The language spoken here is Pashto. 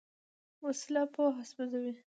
وسله پوهه سوځوي